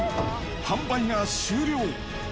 販売が終了。